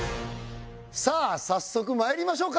さあ早速まいりましょうか。